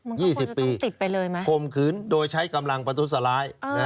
มันก็ควรจะต้องติดไปเลยไหม๒๐ปีคมขืนโดยใช้กำลังประตูสลาย